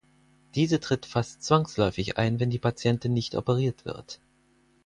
Diese tritt fast zwangsläufig ein, wenn die Patientin nicht operiert wird.